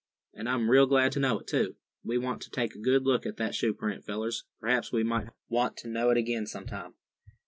And I'm real glad to know it, too. We want to take a good look at that shoe print, fellers; p'raps we might want to know it again sometime."